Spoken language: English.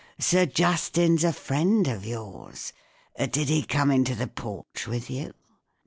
" Sir Justin's a friend of yours! Did he come into the porch with you